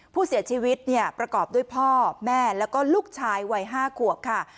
ผู้เสียชีวิตเนี่ยประกอบด้วยพ่อแม่แล้วก็ลูกชายวัย๕ขวบค่ะ